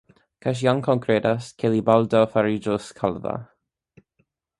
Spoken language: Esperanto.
Kaj ŝi ankaŭ kredas, ke li baldaŭ fariĝos kalva.